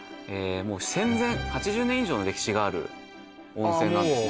もう戦前８０年以上の歴史がある温泉なんですね